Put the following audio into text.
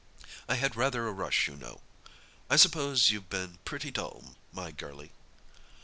I had rather a rush, you know. I suppose you've been pretty dull, my girlie?"